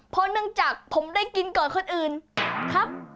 เพราะเนื่องจากผมได้กินก่อนคนอื่นครับ